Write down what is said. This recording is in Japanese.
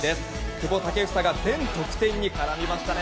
久保建英が全得点に絡みましたね。